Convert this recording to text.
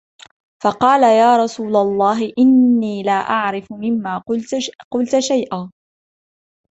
فَقَالَ يَا رَسُولَ اللَّهِ إنِّي لَا أَعْرِفُ مِمَّا قُلْت شَيْئًا